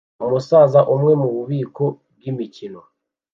Umusaza umwe mububiko bwimikino